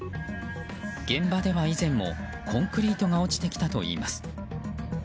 現場では以前もコンクリートが落ちてきたといいます。